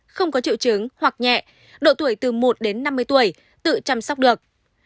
không có triệu chứng hoặc nhẹ độ tuổi từ một đến năm mươi tuổi tự chăm sóc được